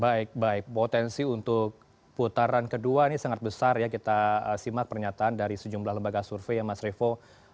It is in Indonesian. baik baik potensi untuk putaran kedua ini sangat besar ya kita simak pernyataan dari sejumlah lembaga survei ya mas revo